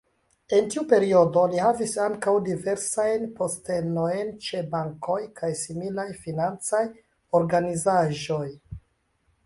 En tiu periodo li havis ankaŭ diversajn postenojn ĉe bankoj kaj similaj financaj organizaĵoj.